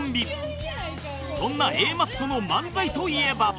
そんな Ａ マッソの漫才といえば